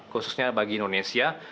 khususnya bagi indonesia